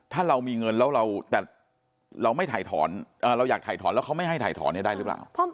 ถ้าเรามีเงินแล้วแต่เราไม่ถ่ายถอนเราอยากถ่ายถอนแล้วเขาไม่ให้ถ่ายถอนได้หรือเปล่า